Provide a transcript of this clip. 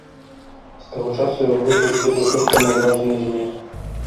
З таго часу яго выгляд зведаў толькі малаважныя змены.